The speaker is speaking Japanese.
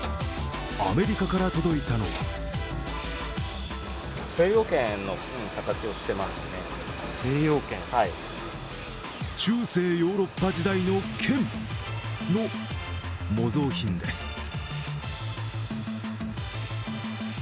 アメリカから届いたのは中世ヨーロッパ時代の剣の模造品です。